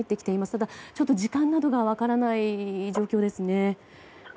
ただ、ちょっと時間などが分からない状況ですね。